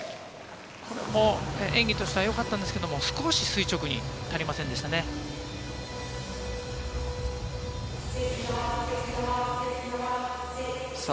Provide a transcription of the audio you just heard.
演技としてはよかったですけれども、少し垂直に足りませんでしたね。